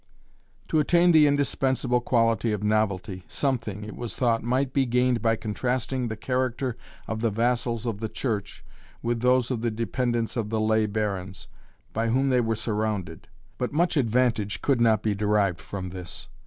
To attain the indispensable quality of novelty, something, it was thought, might be gained by contrasting the character of the vassals of the church with those of the dependants of the lay barons, by whom they were surrounded. But much advantage could not be derived from this.